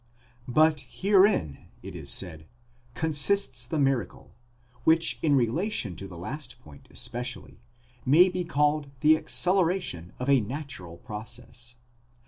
But herein, it is said, consists the miracle, which in relation to the last point especially, may be called the acceleration of a natural process.